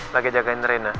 lagi jagain rena